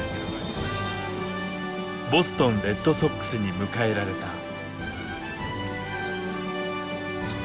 ボストンレッドソックスに迎えられた。